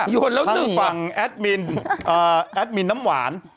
ปุ๊บปรากฏว่าทางฝั่งแอดมินน้ำหวาน